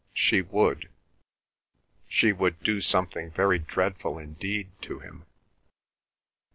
she would—she would do something very dreadful indeed to him.